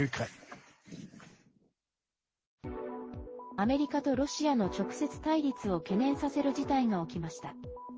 アメリカとロシアの直接対立を懸念させる事態が起きました。